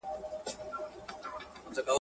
دا وطن دی د رنځورو او خوږمنو.